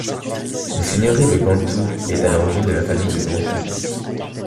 La seigneurie de Gontaud est à l'origine de la famille de Gontaut.